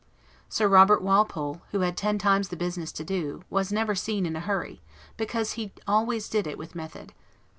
Sir Robert Walpole, who had ten times the business to do, was never seen in a hurry, because he always did it with method.